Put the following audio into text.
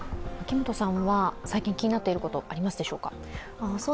最近気になっていることありますでしょうか？